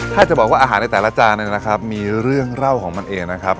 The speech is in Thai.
ถ้าจะบอกว่าอาหารในแต่ละจานเนี่ยนะครับมีเรื่องเล่าของมันเองนะครับ